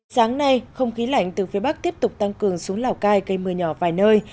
sáng nay không khí lạnh từ phía bắc tiếp tục tăng cường xuống lào cai gây mưa nhỏ vài nơi